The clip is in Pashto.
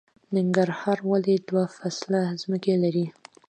ننګرهار ولې دوه فصله ځمکې لري؟